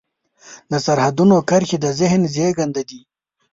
د سرحدونو کرښې د ذهن زېږنده دي.